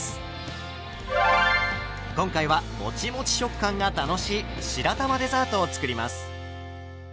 今回はもちもち食感が楽しい白玉デザートを作ります。